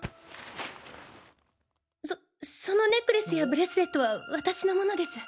そそのネックレスやブレスレットは私のものです。